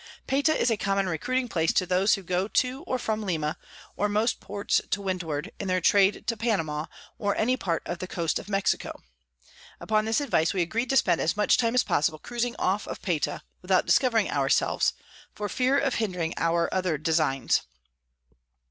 Payta is a common Recruiting place to those who go to or from Lima, or most Ports to Windward, in their Trade to Panama, or any part of the Coast of Mexico. Upon this Advice we agreed to spend as much time as possible cruising off of Payta, without discovering our selves, for fear of hindring our other Designs.